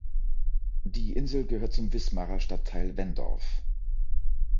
Die Insel gehört zum Wismarer Stadtteil Wendorf.